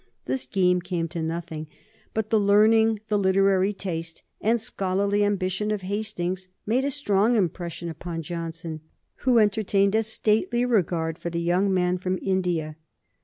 The scheme came to nothing, but the learning, the literary taste, and scholarly ambition of Hastings made a strong impression upon Johnson, who entertained a stately regard for the young man from India.